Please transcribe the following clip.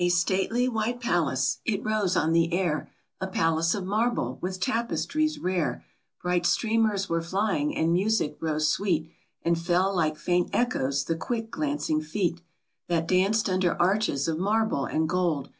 STATELY white palace, it rose on the air, JhL A palace of marble, with tapestries rare ; Bright streamers were flying, and music rose sweet, And fell like faint echoes the quick glancing feet, That danced under arches of marble and gold.